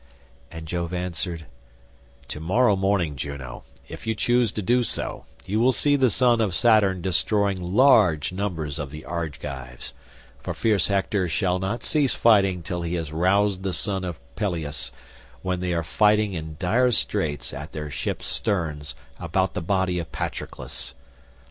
And Jove answered, "To morrow morning, Juno, if you choose to do so, you will see the son of Saturn destroying large numbers of the Argives, for fierce Hector shall not cease fighting till he has roused the son of Peleus when they are fighting in dire straits at their ships' sterns about the body of Patroclus.